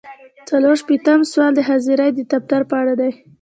څلور شپیتم سوال د حاضرۍ د دفتر په اړه دی.